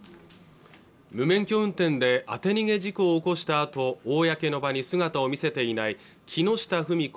無免許運転で当て逃げ事故を起こしたあと公の場に姿を見せていない木下富美子